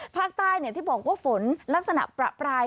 ภาคใต้ที่บอกว่าฝนลักษณะประปราย